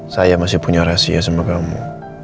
saya masih punya rahasia sama kamu